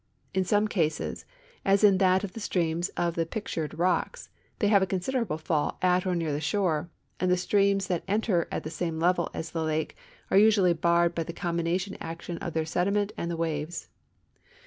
In some cases, as in that of the streams at the Pictured Rocks, they have a considerable fall at or near the shore, and the streams that enter at the same level as the lake are usually barred by the combined action of their sediment and the waves.